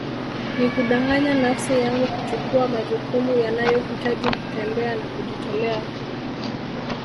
Ni kudanganya nafsi yangu kuchukua majukumu yanayohitaji kutembea na kujitolea